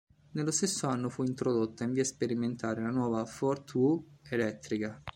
Nello stesso anno fu introdotta in via sperimentale la nuova "Fortwo" elettrica.